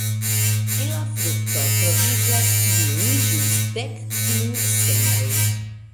En la frukto troviĝas kvin ĝis dek kvin semoj.